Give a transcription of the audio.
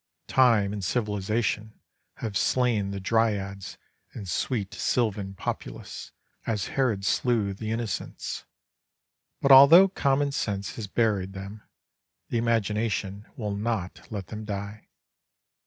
Time and civilization have slain the dryads and sweet sylvan populace, as Herod slew the innocents. But although common sense has buried them, the imagination will not let them die.